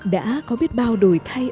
đã có biết bao đổi thay